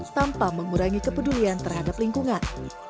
tanpa mengurangi kepedulian terhadap lingkungan